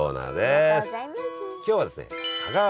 ありがとうございます。